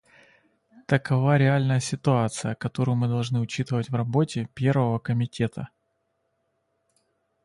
Такова реальная ситуация, которую мы должны учитывать в работе Первого комитета.